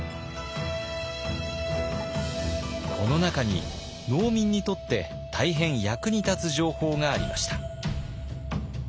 この中に農民にとって大変役に立つ情報がありました。